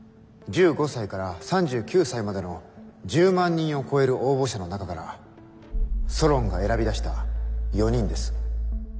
１５才から３９才までの１０万人を超える応募者の中からソロンが選び出した４人です。